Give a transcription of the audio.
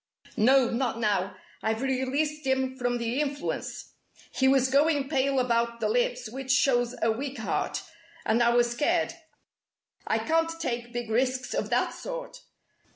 "No, not now. I've released him from the influence. He was going pale about the lips, which shows a weak heart, and I was scared. I can't take big risks of that sort!